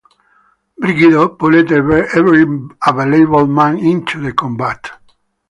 Brigido pulled every available man into the combat.